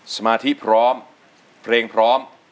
สมาธิพร้อมเพลงพร้อม